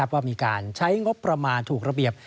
ว่ามีการใช้งบประมาณถูกระเบียบ